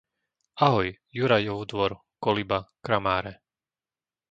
Ahoj, Jurajov dvor, Koliba, Kramáre,